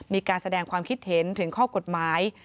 มีการแสดงความคิดเห็นถึงข้อกฎหมาย